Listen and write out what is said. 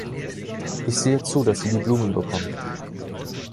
Ich sehe zu, dass sie die Blumen bekommt.